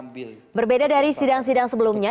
berbeda dari sidang sidang sebelumnya